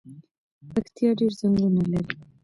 پکتیا ډیر ځنګلونه لري